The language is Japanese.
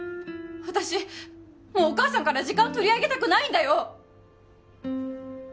私もうお母さんから時間取り上げたくないんだよ